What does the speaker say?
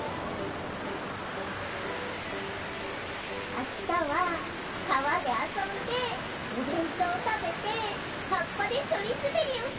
あしたはかわであそんでおべんとうたべてはっぱでそりすべりをして。